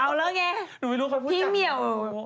เอาแล้วไงพี่เหมียว